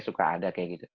suka ada kayak gitu